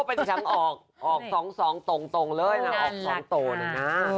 เพราะว่าเป็นชั้นออก๒๒ตรงเลยนะออก๒๒หน่อยนะ